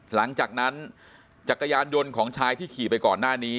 หลังจากนั้นจักรยานยนต์ของชายที่ขี่ไปก่อนหน้านี้